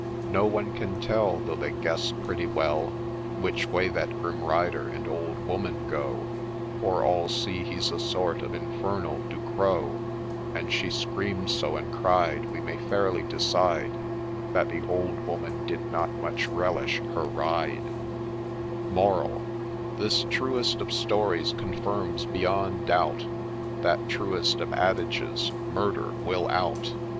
No one can tell, Though they guess pretty well, Which way that grim rider and old woman go, For all see he 's a sort of infernal Ducrow ; THE HAND OF GLORY 31 And she scream'd so, and cried, We may fairly decide That the old woman did not much relish her ride 1 MORAL This truest of stories confirms beyond doubt That truest of adages —' Murder will out